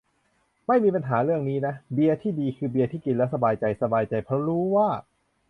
ไม่มีปัญหาเรื่องนี้นะ เบียร์ที่ดีคือเบียร์ที่กินแล้วสบายใจ สบายใจเพราะรู้ว่า